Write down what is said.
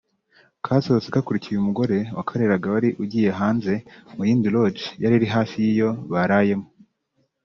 kasohotse gakurikiye uyu mugore wakareraga wari ugiye hanze mu yindi Lodge yari hafi y’iyo barayemo